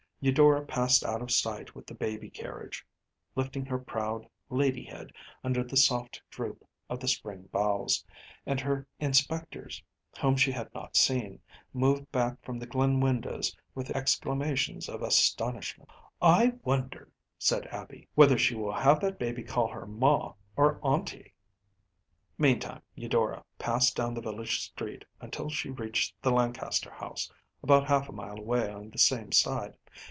Eudora passed out of sight with the baby carriage, lifting her proud lady head under the soft droop of the spring boughs; and her inspectors, whom she had not seen, moved back from the Glynn windows with exclamations of astonishment. “I wonder,‚ÄĚ said Abby, “whether she will have that baby call her ma or aunty.‚ÄĚ Meantime Eudora passed down the village street until she reached the Lancaster house, about half a mile away on the same side.